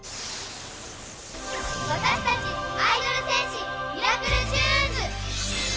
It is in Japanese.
私たちアイドル×戦士ミラクルちゅーんず！